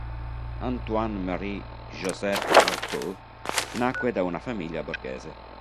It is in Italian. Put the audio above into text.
Antoine Marie Joseph Artaud nacque da una famiglia borghese.